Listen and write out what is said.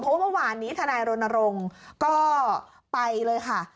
เพราะว่าเมื่อวานนี้ทนายรณรงค์ก็ไปเลยค่ะ